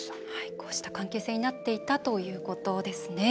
こうした関係性になっていたということですね。